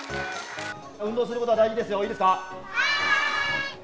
運動することは大事ですよ、はーい。